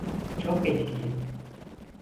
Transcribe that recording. Çok etkili.